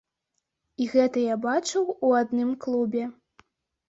І гэта я бачыў у адным клубе.